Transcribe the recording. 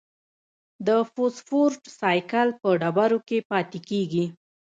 د فوسفورس سائیکل په ډبرو کې پاتې کېږي.